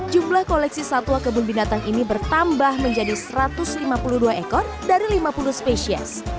jumlah koleksi satwa kebun binatang ini bertambah menjadi satu ratus lima puluh dua ekor dari lima puluh spesies